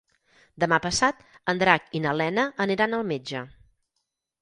Demà passat en Drac i na Lena aniran al metge.